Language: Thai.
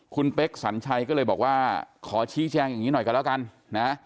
คุณเป๊กสัญชัยก็เลยบอกว่าขอชี้แจงอย่างนี้หน่อยกันแล้วกันนะ